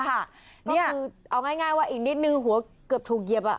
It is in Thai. คือเอาง่ายว่าอีกนิดนึงหัวเกือบถูกเหยียบ